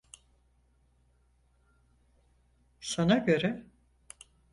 Sana göre.